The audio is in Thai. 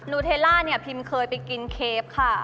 นูเทลล่าพิมพ์เคยไปกินเคปค่ะ